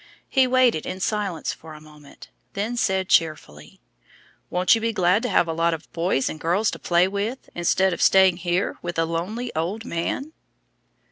He waited in silence for a moment, then said cheerfully, "Won't you be glad to have a lot of boys and girls to play with, instead of staying here with a lonely old man?"